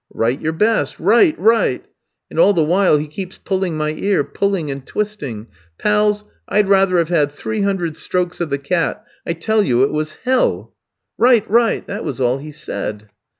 "'Write your best; write, write!' "And all the while he keeps pulling my ear, pulling and twisting. Pals, I'd rather have had three hundred strokes of the cat; I tell you it was hell. "'Write, write!' that was all he said."